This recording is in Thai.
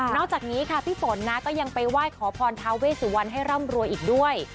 จากนี้ค่ะพี่ฝนนะก็ยังไปไหว้ขอพรทาเวสุวรรณให้ร่ำรวยอีกด้วย